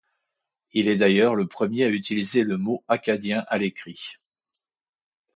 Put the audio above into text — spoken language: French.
Il est d'ailleurs le premier à utiliser le mot Acadien à l'écrit.